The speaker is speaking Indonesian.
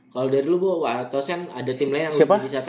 kalau dari lu bawa tosan ada tim lain yang lebih bisa